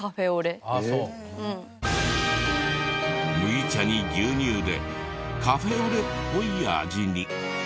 麦茶に牛乳でカフェオレっぽい味に。